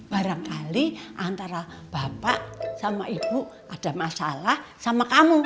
barangkali antara bapak sama ibu ada masalah sama kamu